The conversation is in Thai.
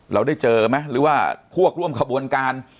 เราได้เจอไหมหรือว่าพวกร่วมขบวนการ